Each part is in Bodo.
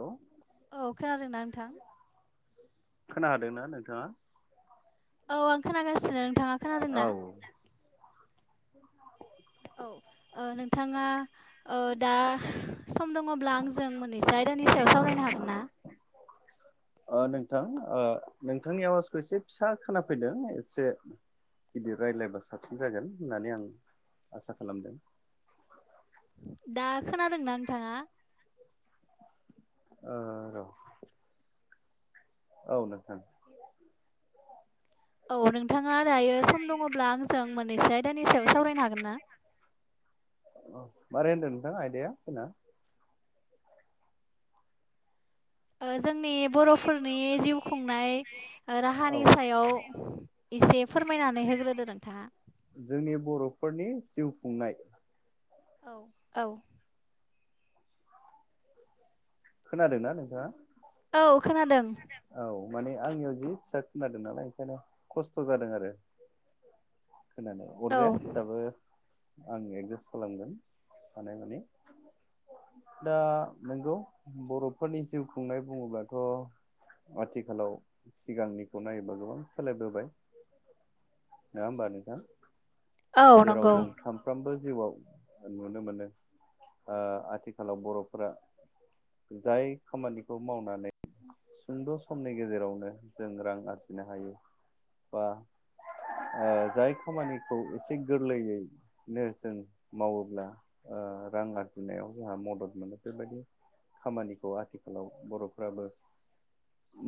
हेल' औ खोनादों ना नोंथां। खोनादोंना नोंथांङा औ आं खोनागासिनो नोंथांङा औ औ नोंथाङा दा सम दङ होमब्ला आंजों मोननैसो आयदानि सायाव सावरायनो हागोन ना नोंथां नोंथांनि आवाजखौ एसे फिसा खोनाफैदों एसे गिदिर रायलायबा साबसिन जागोन होननानै आं आसा खालामदों दा खोनादोंना नोंथांङा ओ औ नोंथां औ नोंथाङा दायो सम दङब्ला आंजों मोननैसो आयदानि सायाव सावरायनो हागोनना? अ मारै होनदों नोंथां आयदाया जोंना ओ जोंनि बर'फोरनि जिउ खुंनाय ओ औ राहानि सायाव एसे फोरमायनानै होग्रोदो नोंथांङा जोंनि बर'फोरनि जिउ खुंनाय औ औ खोनादों ना नोंथांङा? औ खोनादों। औ माने आंनियाव जि फिसा खोनादों नालाय ओंखायनो खस्थ' जादों आरो खोनानो औ अरजाया दाबो आं गेस्ट खालामगोन हानाय मानि दा नंगौ बर'फोरनि जिउ खुंनाय बुंङोब्लाथ' आथिखालाव सिगांनिखौ नायोबा गोबां सोलायबोबाय। नंङा ओमबा नोंथां औ जेराव नंगौ जों सान फ्रोमबो जिउआव नुनो मोनो ओ आथिखालाव बर'फोरा जाय खामानिखौ मावनानै सुंद' समनि गेजेरावनो जों रां आरजिनो हायो बा ओ जाय खामानिखौ एसे गोरलैयै नो जों मावोब्ला रां आरजिनायाव जोंहा मदद मोनो बेबायदि खामानिखौ आथिखालाव बर'फ्राबो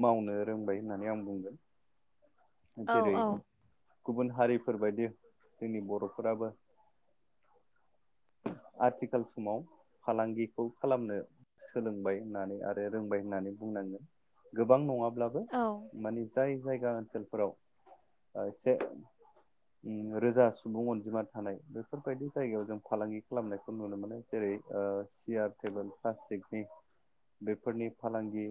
मावनो रोंबाय होननानै आं बुंगोन औ जेरै औ गुबुन हारिफोरबायदि जोंनि बर'फोराबो आथिखाल समाव फालांगिखौ खालामनो सोलोंबाय होननानै आरो रोंबाय होननानै बुंनांगोन गोबां नंङाब्लाबो औ माने जाय जायगा ओनसोलफोराव ओ एसे रोजा सुबुं अनजिमा थानाय बेफोरबायदि जायगायाव जों फालांगि खालामनायखौ नुनो मोनो जेरै ओ सियार टेबोल प्लास्टिकनि बेफोरनि फालांगि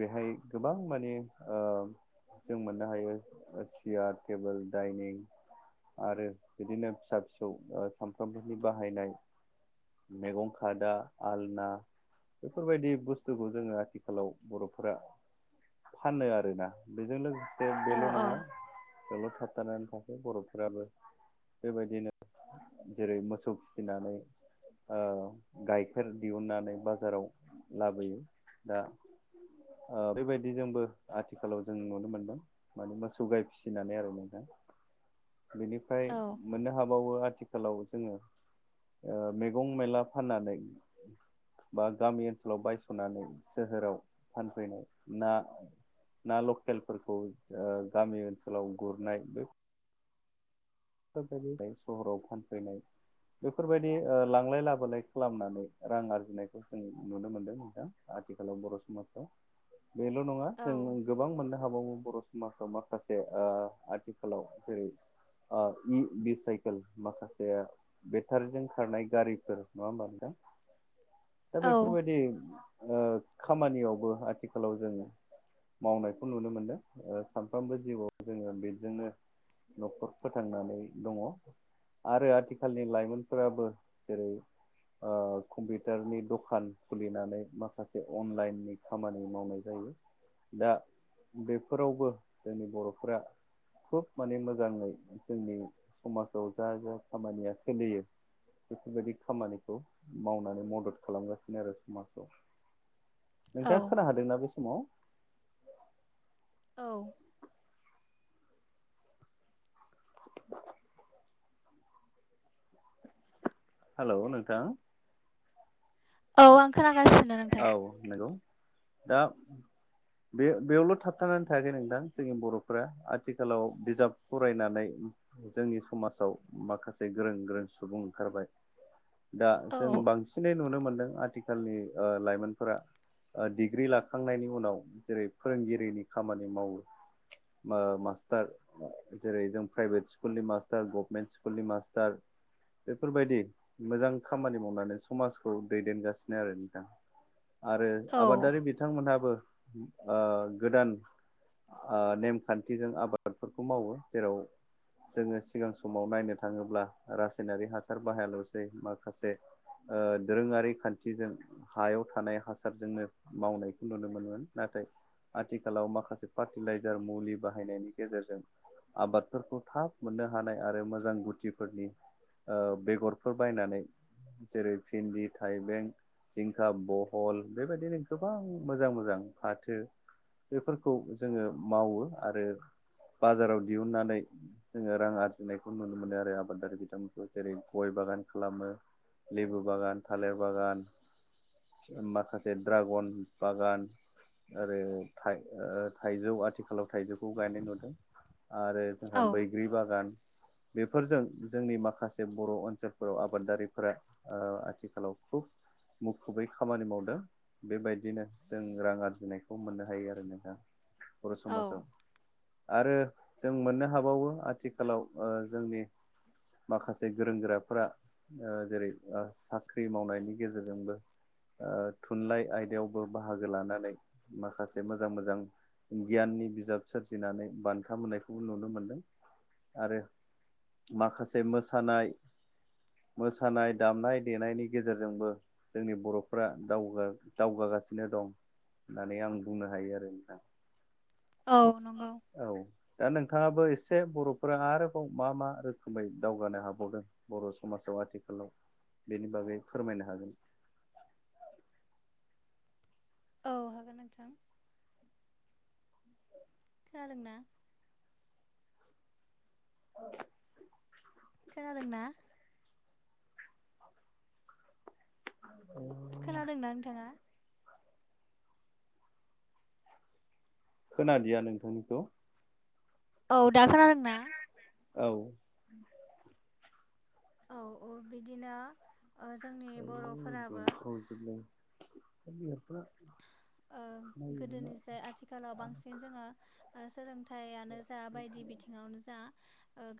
बेहाय गोबां माने ओ जों मोननो हायो। सियार टेबोल दडाइनिं आरो बिदिनो फिसा फिसौ ओ सामफ्रामबोनि बाहायनाय मेगं खादा आलना बेफोरबायदि बुस्थुखौ जोंङो आथिखालाव बर'फोरा फाननो आरोना बेजों लोगो से बेल' औ नङा बेल' थाबथानानै थाथों बर'फोराबो बेबायदिनो जेरै मोसौ फिसिनानै ओ गाइखेर दिहुननानै बाजाराव लाबोयो दा ओ बेबायदि जोंबो आथिखालाव जों नुनो मोनदों। माने मोसौ गाइ फिसिनानै आरो नोंथां [inaudible] बेनिफ्राय औ मोननो हाबावो आथि खालाव जोङो ओ मैगं मेला फाननानै बा गामि ओनसोलाव बायस'नानै सोहोराव फानफैनाय ना ना लकेलफोरखौ ओ गामि ओनसोलाव गुरनाय बे फोरखौ सहराव फानफैनाय बेफोरबायदि ओ लांलाय लाबोलाय खालामनानै रां आरजिनायखौ जों नुनो मोनदों नोंथां। आथिखालाव बर' समाजाव बेल' नङा जों औ गोबां मोननो हा हाबावो बर' समाजाव माखासे ओ आथिखालाव जेरै ओ इ बिसाइकोल माखासेया बेटारिजों खारनाय गारिफोर नङा ओमबा नोंथां? [inaudible] दा बेफोरबायदि ओ खामानियावबो आथिखालाव जोङो मावनायखौ नुनो मोनदों सानफ्रोमबो जिउआव जोङो बेजोंनो न'खर फोथांनानै दङ आरो आथिखालनि लाइमोनफोराबो जेरै कम्पिउटारनि दखान खुलिनानै माखासे अनलाइननि खामानि मावनाय जायो दा बेफोरावबो जोंनि बर'फोरा खुब माने मोजाङै जोंनि समाजाव जा जा खामानिया सोलियो बेफोरबायदि खामानिखौ मावनानै मदद खालामगासिनो आरो समाजाव नोंथाङा औ खोना हादोंना बे समाव औ हेल' नोंथां औ आं खोनागासिनो नोंथां औ नंगौ दा बे बेयावल' थाबथानानै थायाखै नोंथां जोंनि बर'फोरा आथिखालाव बिजाब फरायनानै जोंनि समाजाव माखासे गोरों गोरों सुबुं ओंखारबाय दा औ जों बांसिनै नुनो मोनदों आथिखालनि लाइमोनफोरा डिग्रि लाखांनायनि उनाव जेरै फोरोंगिरिनि खामानि मावो ओ मास्टार ओ जेरै जों प्राइभेट स्कुलनि मास्टार गभमेन्ट स्कुलनि मास्टार बेफोरबायदि मोजां खामानि मावनानै समाजखौ दैदेनगासिनो आरो आरो औ आबादारि बिथांमोनहाबो गोदान नेमखान्थिजों आबादफोरखौ मावो जेराव जोङो सिगां समाव नायनो थाङोब्ला रासायनारि हासार बाहायल'सै माखासे दोरोङारि खान्थिजों हायाव थानाय हासारजोंनो मावनायखौ नुनो मोनोमोन नाथाय आथिखालाव माखासे फार्टिलाइजार मुलि बाहायनायनि गेजेरजों आबादफोरखौ थाब मोननो हानाय आरो मोजां गुथिफोरनि बेगरफोर बायनानै जेरै भिन्दि थाइबें जिंखा बहल बेबायदिनो गोबां मोजां मोजां फाथो बेफोरखौ जोङो मावो आरो बाजाराव दिहुननानै जोङो रां आरजिनायखौ नुनो मोनो आरो आबादारि बिथांमोनखौ जेरै गय बागान खालामो लेबु बागान थालिर बागान माखासे द्रागन बागान आरो थाइजौ आथिखालाव थाइजौखौ गायनाय नुदों आरो औ जोंहा बैग्रि बागान बेफोरजों जोंनि माखासे बर' ओनसोलफोराव आबादारिफोरा आ आथिखालाव खुब मुखुबै खामानि मावदों बेबायदिनो जों रां आरजिनायखौ मोननो हायो आरो नोंहा बर औ समाजाव आरो जों मोननो हाबावो आथिखालाव जोंनि माखासे गोरों गोराफोरा जेरै साख्रि मावनायनि गेजेरजोंबो थुनलाइ आयदायावबो बाहागो लानानै माखासे मोजां मोजां। गियाननि बिजाब सोरजिनानै बान्था मोननायखौबो नुनो मोनदों आरो। माखासे मोसानाय। मोसानाय दामनाय देनायनि गेजेरजोंबो जोंनि बर'फ्रा दग दावगागासिनो दं होननानै आं बुंनो हायो आरो नोंथां। औ नंगौ। औ दा नोंथाङाबो एसे बर'फोरा आरोबाव मा मा रोखोमै दावगानो हाबावदों। बर' समाजाव आथिखालाव बेनि बागै फोरमायनो हागोन। औ हागोन नोंथां। गल ना। औ। खोनादों ना? अ। खोनादों ना नोंथाङा? खोनादया नोंथांनिखौ औ दा खोनादों। औ। औ बिदिनो जोंनि बर'फोराबो [unintelligible] खोनायो नोंना गोदोनि जाय आथिखालाव बांसिन जोङो सोलोंथायानो जा बायदि बिथिङावनो जा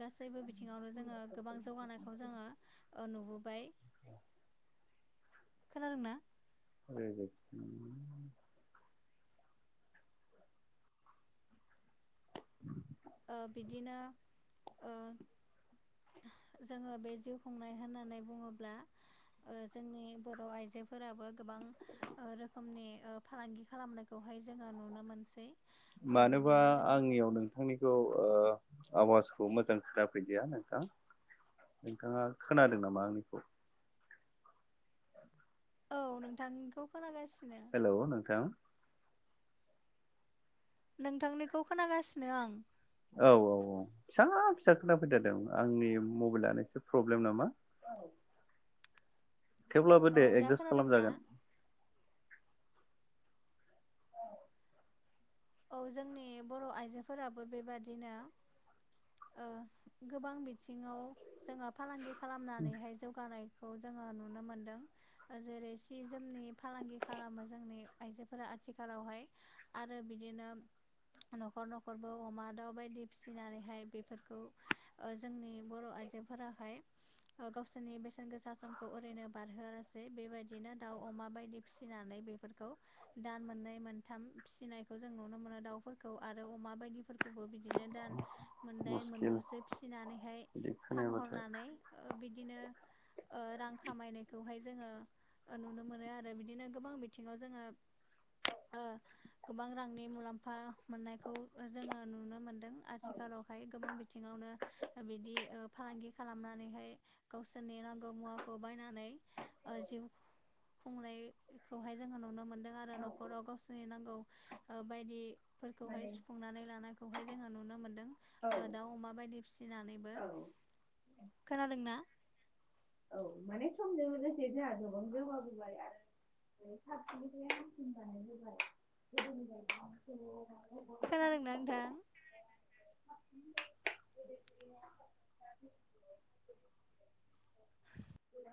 गासैबो बिथिङावनो जोङो गोबां जौगानायखौ जोङो औ नुबोबाय खोनादों ना। [unintelligible] [inaudible] बिदिनो जोङो बे जिउ खुंनाय होननानै बुङोब्ला जोंनि बर' आइजोफोराबो गोबां रोखोमनि फालांगि खालामनायखौहाय जोङो नुनो मोनसै। ओ मानोबा बिदिनो जों आंनियाव नोंथाङा नोंथांनिखौ आवाजखौ मोजां खोथाफैदिया नोंथां। नोंथाङा खोनादों नामा आंनिखौ। औ नोंथांखौ खोनागासिनो। हेल' नोंथां। नोंथांनिखौ खोनागासिनो आं। औ औ औ। फिसा फिसा खोनाफैथारदों आंनि मबाइलानो एसे प्रब्लेम नामा? [inaudible] थेवब्लाबो औ दे दा एडजासट खोनादोंना खालामजागोन। औ जोंनि बर' आइजोफोराबो बेबायदिनो गोबां बिथिङाव जोङो फालांगि खालामनानैहाय जौगानाय खौ जोङो नुनो मोनदों। जेरै सि जोमनि फालांगि खालामो जोंनि आइजोफोरा आथिखालावहाय आरो बि बिदिनो न'खर न'खरबो अमा दाउ बायदि फिसिनानैहाय बेफोरखौ जोंनि बर' आइजोफोराहाय गावसोरनि बेसेन गोसा समखौ ओरैनो बारहोवा लासै बेबायदिनो दाउ अमा बायदि फिसिनानै बे दान मोननै मोनथाम फिसिनायखौ जों नुनो मोनो दाउफोरखौ आरो अमा बायदिफोरखौ खौबो बिदिनो दान मोनदाय मुस्किल मोनगुसो फिसिनानैहाय बिदि खोनायाबाथाय फानहरनानै बिदिनो रां खामायनायखौहाय जोङो नुनो मोनो आरो बिदिनो गोबां बिथिङाव जोङो गोबां रांनि मुलाम्फा मोननायखौ जोङो नुनो मोनो। आथिखालावहाय गोबां बिथिङावनो बिदि फालांगि खालामनानैहाय गावसोरनि नांगौ मुवाखौ बायनानै जिउ खुंनायखौहाय जोङो नुनो मोनदों। आरो न'खराव गावसोरनि नांगौ ओ बायदिफोरखौहाय सुफुंनानै लानायखौहाय जोङो नुनो मोनदों। दाउ अमा बायदि फिसिनानैबो खोनादों ना? औ माने समजो जों लोगोसे गोबां गोमा बोबाय आरो साबथायाया मेसिन बानाय होबाय गोदोनि बायदि खोनादों ना नोंथां? बे [inaudible]